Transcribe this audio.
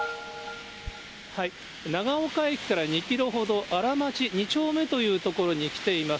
長岡駅から２キロほど、あら町２丁目という所に来ています。